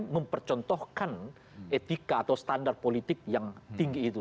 mempercontohkan etika atau standar politik yang tinggi itu